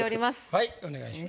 はいお願いします。